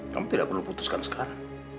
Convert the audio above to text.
kamu tidak perlu putuskan sekarang